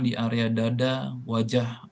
di area dada wajah